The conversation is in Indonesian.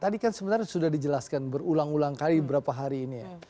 tadi kan sebenarnya sudah dijelaskan berulang ulang kali beberapa hari ini ya